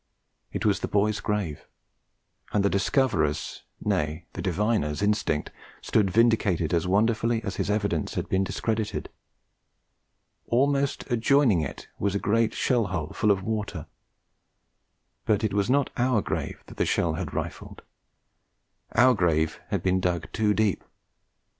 It was the boy's grave; and the discoverer's nay, the diviner's instinct stood vindicated as wonderfully as his evidence had been discredited. Almost adjoining it was a great shell hole full of water; but it was not our grave that the shell had rifled. Our grave had been dug too deep.